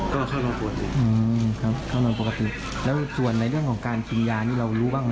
ก็เข้ารอปวดอยู่อืมครับเข้ามาปกติแล้วส่วนในเรื่องของการกินยานี่เรารู้บ้างไหม